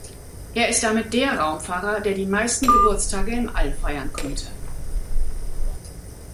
Er ist damit der Raumfahrer, der die meisten Geburtstage im All feiern konnte.